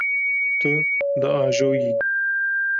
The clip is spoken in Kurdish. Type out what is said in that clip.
Tu diajoyî.